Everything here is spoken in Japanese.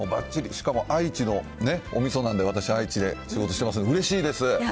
しかも、愛知のね、おみそなんで、私、愛知で仕事してますのでうれしいです。